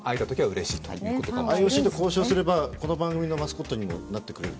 ＩＯＣと交渉すれば、この番組のマスコットにもなってくれると。